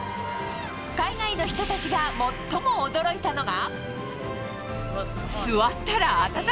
海外の人たちが最も驚いたのが。